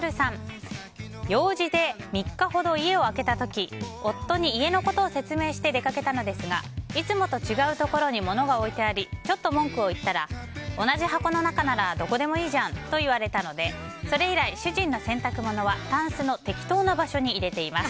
用事で３日ほど家を空けた時夫に家のことを説明して出かけたのですがいつもと違うところに物が置いてありちょっと文句を言ったら同じ箱の中ならどこでもいいじゃんと言われたのでそれ以来、主人の洗濯物はタンスの適当な場所に入れています。